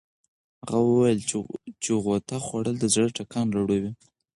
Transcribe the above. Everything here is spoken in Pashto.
هغه وویل چې غوطه خوړل د زړه ټکان لوړوي.